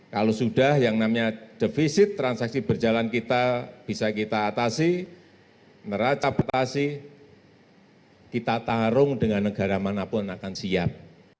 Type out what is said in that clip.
kalau sudah yang namanya defisit transaksi berjalan kita bisa kita atasi neraca betasi kita tarung dengan negara manapun akan siap